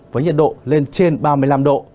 với nhiệt độ lên trên ba mươi năm độ